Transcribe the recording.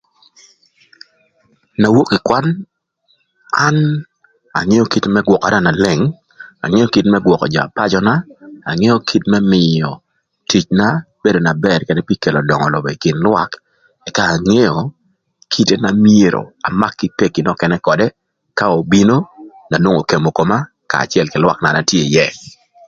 Na wok ï kwan, an angeo kite më gwökara na leng, angeo kit më gwökö jö na pacöna, angeo kit më mïnö ticna bedo na bër kede pï kelo döngö lobo ï kin lwak, ëka angeo kite na myero amak kï peki nökënë ködë ka obino na nwongo okemo koma ka acël kï lwak na an atye ïë.